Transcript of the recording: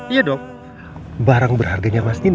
iya dong barang berharganya mas nino